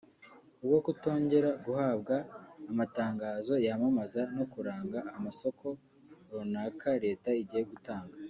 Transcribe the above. kubwo kutongera guhabwa amatangazo yamamaza no kuranga amasoko runaka leta igiye gutanga